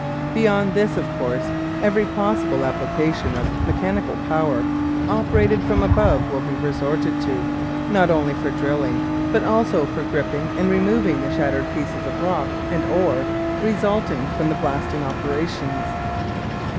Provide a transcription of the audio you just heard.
Beyond this, of course, every possible application of mechanical power operated from above will be resorted to, not only for drilling, but also for gripping and removing the shattered pieces of rock and ore resulting from the blasting operations.